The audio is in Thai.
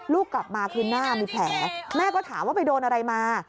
ลูกกลับมาคือหน้ามีแผลแม่ก็ถามว่าไปโดนอะไรมา